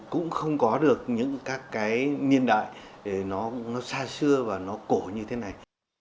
cũng không có được những các cái niên đại nó xa xưa và nó cổ như thế này